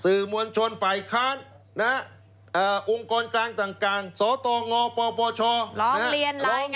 สื่อมวลชนฝ่ายค้านองค์กรกลางต่างสตงปปชร้องเรียนร้อง